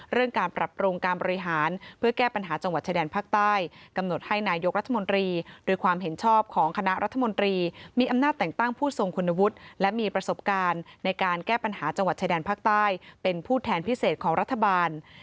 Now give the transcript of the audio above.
การปรับปรุงการบริหารเพื่อแก้ปัญหาจังหวัดชายแดนภาคใต้กำหนดให้นายกรัฐมนตรีโดยความเห็นชอบของคณะรัฐมนตรีมีอำนาจแต่งตั้งผู้ทรงคุณวุฒิและมีประสบการณ์ในการแก้ปัญหาจังหวัดชายแดนภาคใต้เป็นผู้แทนพิเศษของรัฐบาล